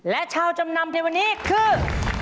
และชาวจำนำในวันนี้คือ